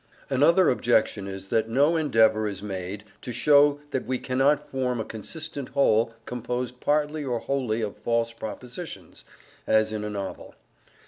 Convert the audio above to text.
Another objection is that no endeavour is made to show that we cannot form a consistent whole composed partly or wholly of false propositions, as in a novel.